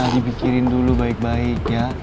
harus dipikirin dulu baik baik ya